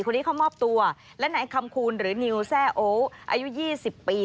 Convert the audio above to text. คนนี้เข้ามอบตัวและนายคำคูณหรือนิวแซ่โออายุ๒๐ปี